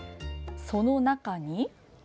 その中に。